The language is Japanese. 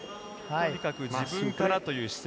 とにかく自分からという姿勢